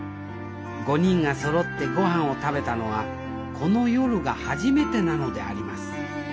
５人がそろって御飯を食べたのはこの夜が初めてなのであります。